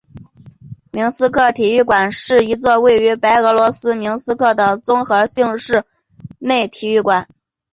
明斯克体育馆是一座位于白俄罗斯明斯克的综合性室内体育馆。